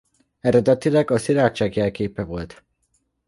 Eredetileg a szilárdság jelképe volt.